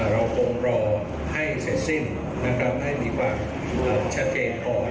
เราคงรอให้เสร็จสิ้นให้มีความชัดเจนก่อน